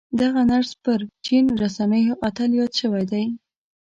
دغه نرس پر چين رسنيو اتل ياد شوی دی.